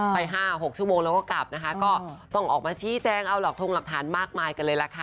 ไป๕๖ชั่วโมงแล้วก็กลับนะคะก็ต้องออกมาชี้แจงเอาหลักทงหลักฐานมากมายกันเลยล่ะค่ะ